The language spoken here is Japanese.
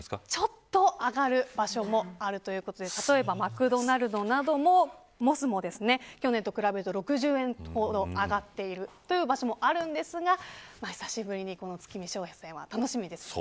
ちょっと上がる場所もあるということで例えばマクドナルドなどもモスも去年と比べると６０円ほど上がっているというところもあるんですが久しぶりに月見商戦は楽しみですよね。